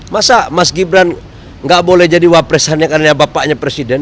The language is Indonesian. masa mas gibran nggak boleh jadi wapres hanya karena bapaknya presiden